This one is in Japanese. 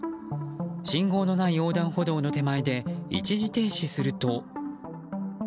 信号のない横断歩道の手前で一時停止すると。